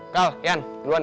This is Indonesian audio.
kal yan duluan ya